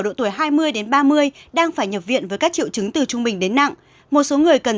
độ tuổi hai mươi đến ba mươi đang phải nhập viện với các triệu chứng từ trung bình đến nặng một số người cần